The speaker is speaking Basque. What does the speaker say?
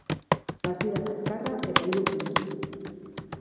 Partida kaskarra eta hiru puntu.